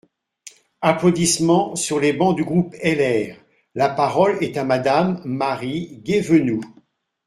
(Applaudissements sur les bancs du groupe LR.) La parole est à Madame Marie Guévenoux.